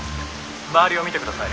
周りを見てください。